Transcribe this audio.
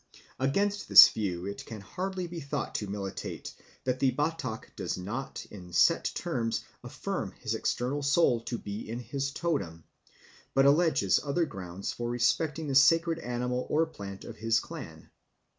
Against this view it can hardly be thought to militate that the Batak does not in set terms affirm his external soul to be in his totem, but alleges other grounds for respecting the sacred animal or plant of his clan.